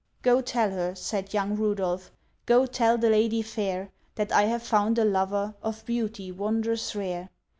"Go, tell her," said young Rudolph, "Go, tell the lady fair, That I have found a Lover, Of Beauty wondrous rare.